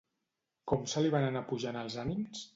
Com se li van anar pujant els ànims?